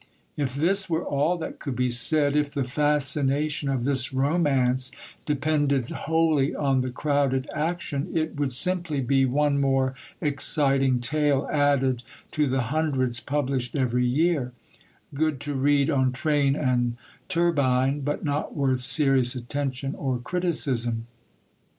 If this were all that could be said, if the fascination of this romance depended wholly on the crowded action, it would simply be one more exciting tale added to the hundreds published every year; good to read on train and turbine, but not worth serious attention or criticism.